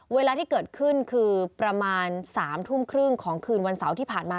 เวลาที่เกิดขึ้นคือประมาณ๓ทุ่มครึ่งของคืนวันเสาร์ที่ผ่านมา